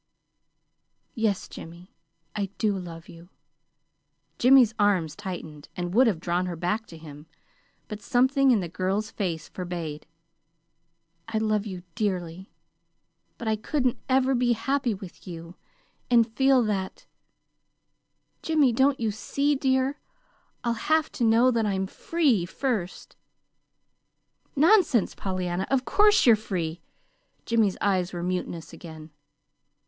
"Yes, Jimmy, I do love you." Jimmy's arms tightened, and would have drawn her back to him; but something in the girl's face forbade. "I love you dearly. But I couldn't ever be happy with you and feel that Jimmy, don't you see, dear? I'll have to know that I'm free, first." "Nonsense, Pollyanna! Of course you're free!" Jimmy's eyes were mutinous again.